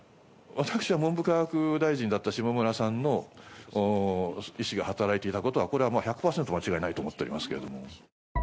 私は文部科学大臣だった下村さんの意思が働いていたことは、これは１００％間違いないと思っておりますけれども。